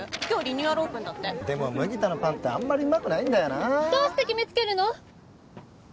今日リニューアルオープンだってでも麦田のパンってあんまりうまくないんだよなどうして決めつけるの！